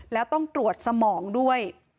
แล้วต้องตรวจสมองด้วย